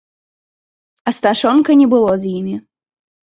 Асташонка не было з імі.